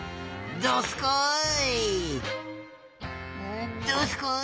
どすこい！